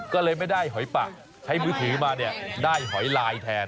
ก็เลยไม่ได้หอยปะใช้มือถือมาเนี่ยได้หอยลายแทน